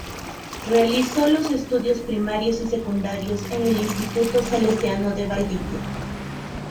Realizó los estudios primarios y secundarios en el Instituto Salesiano de Valdivia.